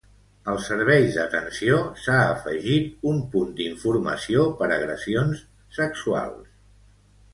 Als serveis d'atenció s'ha afegit un punt d'informació per agressions sexuals.